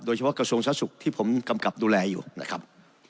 โดยเฉพาะกระทรวงซะสุกที่ผมกำกับดูแลอยู่นะครับ